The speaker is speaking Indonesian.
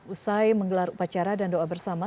usai menggelar upacara dan doa bersama